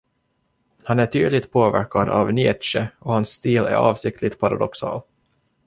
Han är tydligt påverkad av Nietzsche och hans stil är avsiktligt paradoxal.